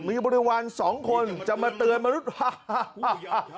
มีบริวาร๒คนจะมาเตือนมนุษย์ว่า